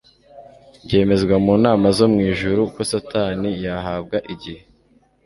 byemezwa, mu nama zo mu ijuru ko Satani yahabwa igihe